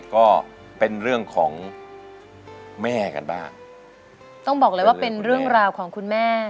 ก็เป็นเรื่องของแม่กันบ้างต้องบอกเลยว่าเป็นเรื่องราวของคุณแม่